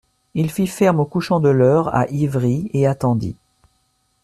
Il fit ferme au couchant de l'Eure, à Ivry, et attendit.